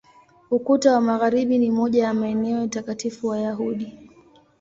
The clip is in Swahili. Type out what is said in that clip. Ukuta wa Magharibi ni moja ya maeneo takatifu Wayahudi.